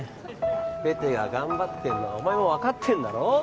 ペテが頑張ってんのはお前も分かってんだろ？